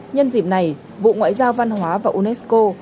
nhân dịp này bộ ngoại giao văn hóa và unesco